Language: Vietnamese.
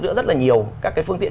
giữa rất là nhiều các cái phương tiện